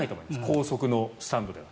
高速のスタンドでは。